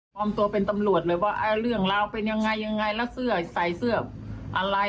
มอบตัวเป็นตำรวจเลยว่าเรื่องราวเป็นยังไงยังไงแล้วเสื้อใส่เสื้ออะไร